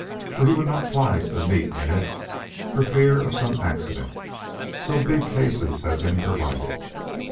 For he would not fly to the meet in it, for fear of some accident. So big cases had been provided.